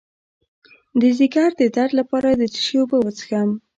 د ځیګر د درد لپاره د څه شي اوبه وڅښم؟